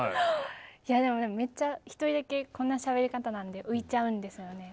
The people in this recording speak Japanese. いやでもめっちゃ一人だけこんなしゃべり方なんで浮いちゃうんですよね。